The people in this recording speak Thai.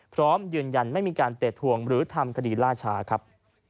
พร้อมยืนยันไม่มีการเตะทวงหรือทำคดีล่าชาครับ